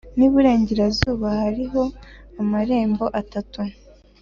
n’iburengerazuba hariho amarembo atatu.